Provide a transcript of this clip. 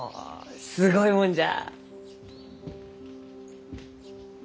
すごいもんじゃ。